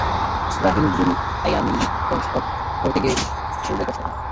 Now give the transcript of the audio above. রাহীল বিন-য়ামীন প্রসব করতে গিয়ে খুবই কষ্ট পান।